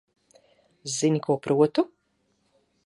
Zini, ko protu?